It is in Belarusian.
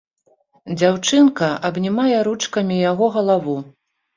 Дзяўчынка абнімае ручкамі яго галаву.